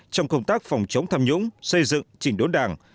trong công tác phòng chống tham nhũng xây dựng chỉnh đốn đảng